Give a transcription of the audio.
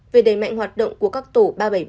về đẩy mạnh hoạt động của các tổ ba trăm bảy mươi ba